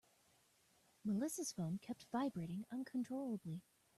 Melissa's phone kept vibrating uncontrollably.